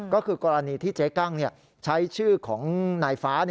ก็คือกรณีที่เจ๊กั้งใช้ชื่อของนายฟ้า